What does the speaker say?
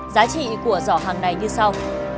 giá trị của giỏ hàng này như sau